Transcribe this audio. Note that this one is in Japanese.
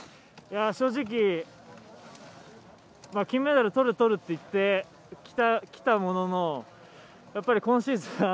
正直、金メダルとるとると言ってきたもののやっぱり今シーズン